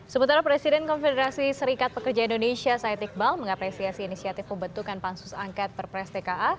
sementara presiden konfederasi serikat pekerja indonesia said iqbal mengapresiasi inisiatif pembentukan pansus angket perpres tka